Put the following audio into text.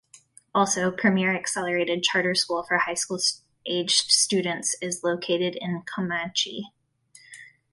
Also, Premier Accelerated Charter School for High School aged students is located in Comanche.